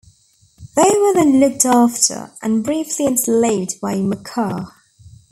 They were then looked after and briefly enslaved by Makah.